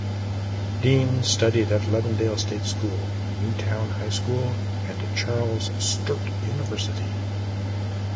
Dean studied at Levendale State School, New Town High School and Charles Sturt University.